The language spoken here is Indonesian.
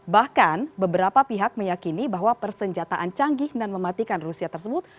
bahkan beberapa pihak meyakini bahwa persenjataan canggih dan mematikan rusia tersebut